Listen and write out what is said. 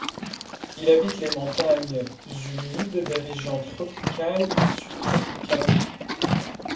Il habite les montagnes humides des régions tropicales et subtropicales.